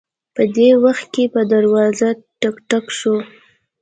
په دې وخت کې په دروازه ټک ټک شو